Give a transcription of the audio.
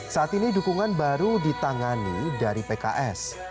saat ini dukungan baru ditangani dari pks